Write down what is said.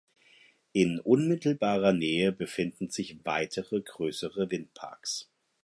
In unmittelbarer Nähe befinden sich weitere größere Windparks.